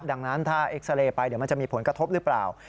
ดังนั้นถ้าเอ็กซาเรย์ไปเดี๋ยวมันจะมีผลกระทบหรือเปล่า